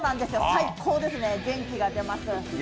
最高ですね、元気が出ます。